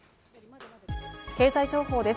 経済情報です。